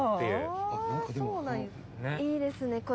いいですね